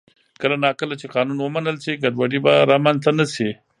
کله نا کله چې قانون ومنل شي، ګډوډي به رامنځته نه شي.